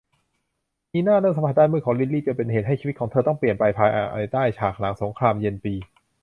นีน่าเริ่มสัมผัสด้านมืดของลิลลี่ จนเป็นเหตุให้ชีวิตของเธอต้องเปลี่ยนไป ภายใต้ฉากหลังของสงครามเย็นปี